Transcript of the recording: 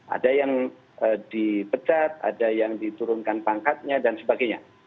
ada yang dipecat ada yang diturunkan pangkatnya dan sebagainya